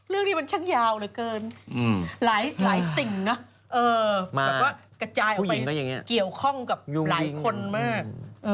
เรื่องนี้มันช่างยาวเหลือเกินหลายสิ่งนะแบบว่ากระจายออกไปเกี่ยวข้องกับหลายคนมาก